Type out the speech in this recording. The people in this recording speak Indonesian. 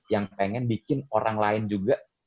yang pengen bikin orang lain juga